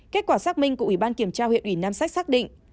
kết quả xác minh của ủy ban kiểm tra huyện ủy nam sách xác định